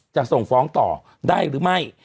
จะส่งฟ้องต่อได้หรือไม่